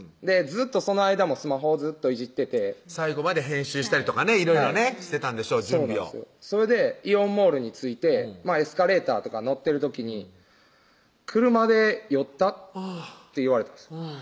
ずっとその間もスマホをずっといじってて最後まで編集したりとかねいろいろしてたんでしょう準備をそれでイオンモールに着いてエスカレーターとか乗ってる時に「車で酔った」って言われたんですよ